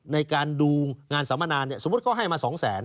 ในการดูงานสัมมนาสมมุติเขาให้มา๒แสน